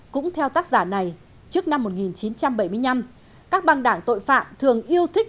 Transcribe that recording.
cũng theo tác giả này trước năm một nghìn chín trăm bảy mươi năm các băng đảng tội phạm thường yêu thích